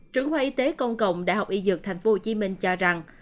trưởng khoa y tế công cộng đại học y dược tp hcm cho rằng